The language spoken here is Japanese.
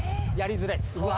うわ